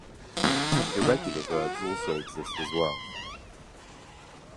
Irregular verbs also exist as well.